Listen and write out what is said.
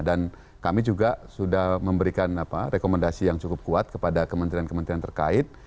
dan kami juga sudah memberikan rekomendasi yang cukup kuat kepada kementerian kementerian terkait